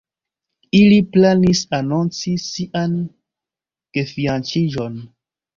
Ili planis anonci sian gefianĉiĝon.